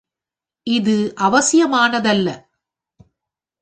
இது அவசியமானதல்ல.